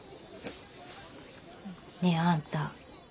ねえあんた